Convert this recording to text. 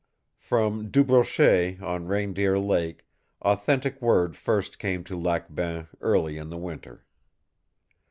From DuBrochet, on Reindeer Lake, authentic word first came to Lac Bain early in the winter.